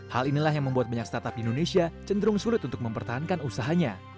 hal inilah yang membuat banyak startup di indonesia cenderung sulit untuk mempertahankan usahanya